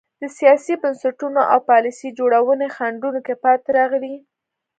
د سیاسي بنسټونو او پالیسۍ جوړونې خنډونو کې پاتې راغلي.